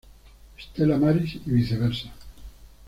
Stella Maris y viceversa.